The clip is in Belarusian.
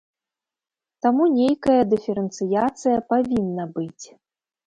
Таму, нейкая дыферэнцыяцыя павінна быць.